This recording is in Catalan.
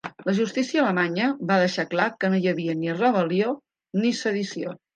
La justícia alemanya va deixar clar que no hi havia ni rebel·lió ni sedició.